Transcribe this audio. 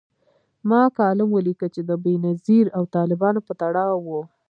ما کالم ولیکه چي د بېنظیر او طالبانو په تړاو و